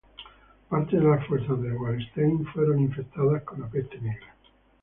Parte de las fuerzas de Wallenstein fueron infectadas con la Peste negra.